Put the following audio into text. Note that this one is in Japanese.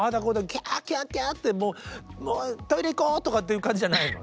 キャーキャーキャーってもうもう「トイレ行こう」とかっていう感じじゃないの？